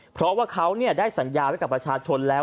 เพราะว่าเขาได้สัญญาไว้กับประชาชนแล้ว